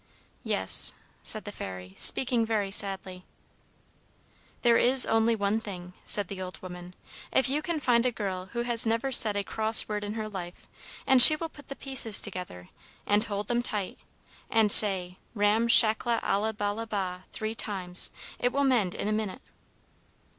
"'Yes,' said the Fairy, speaking very sadly. "'There is only one thing,' said the old woman. 'If you can find a girl who has never said a cross word in her life, and she will put the pieces together, and hold them tight, and say, "Ram shackla alla balla ba," three times, it will mend in a minute.'